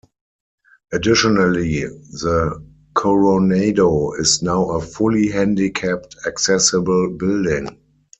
Additionally, the Coronado is now a fully handicapped accessible building.